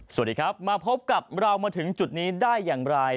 สวัสดีครับมาพบกับเรามาถึงจุดนี้ได้อย่างไร